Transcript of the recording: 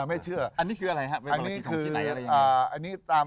อันนี้คืออะไรครับ